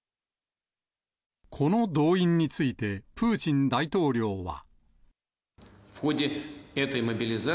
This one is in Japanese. この動員について、プーチン大統領は。